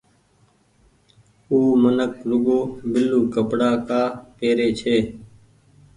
او منک رڳو بيلو ڪپڙآ ڪآ پيري ڇي۔